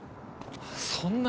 そんな。